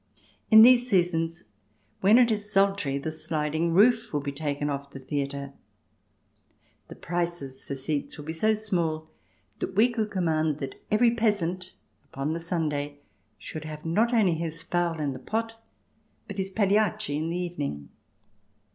In these seasons, when it is sultry, the sliding roof would be taken off the theatre. The prices for seats would be so small that we could command that every peasant upon the Sunday should have not only his fowl in the pot, but his " Pagliacci " in the evening.